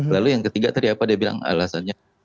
lalu yang ketiga tadi apa dia bilang alasannya